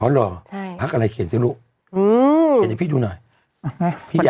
อ๋อหรอพักอะไรเขียนสิลุกเขียนให้พี่ดูหน่อยพี่อยากมีมาก